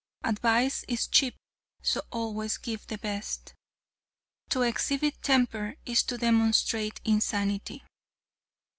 Advice is cheap, so always give the best. To exhibit temper is to demonstrate insanity.